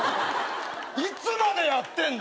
いつまでやってんだ！